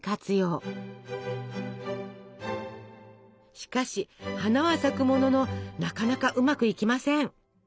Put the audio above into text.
しかし花は咲くもののなかなかうまくいきません。